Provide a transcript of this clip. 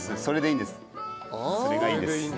それでいいんです。